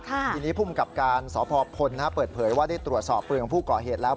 ทีนี้ภูมิกับการสพพลเปิดเผยว่าได้ตรวจสอบปืนของผู้ก่อเหตุแล้ว